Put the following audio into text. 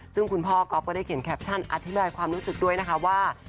ซึ่งคุณพ่อก๊อฟก็ได้เขียนแคปชั่นอธิบายความรู้สึกด้วยนะคะว่า